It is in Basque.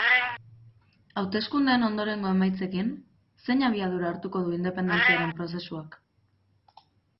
Hauteskundeen ondorengo emaitzekin, zein abiadura hartuko du independentziaren prozesuak?